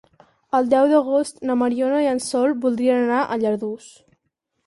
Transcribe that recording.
El deu d'agost na Mariona i en Sol voldrien anar a Lladurs.